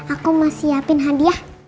aku mau siapin hadiah